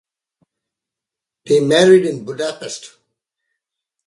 They married in Budapest.